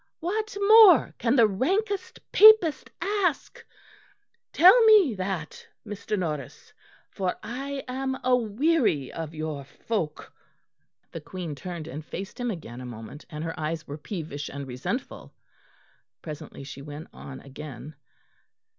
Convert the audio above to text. What more can the rankest Papist ask? Tell me that, Mr. Norris; for I am a weary of your folk." The Queen turned and faced him again a moment, and her eyes were peevish and resentful. Presently she went on again.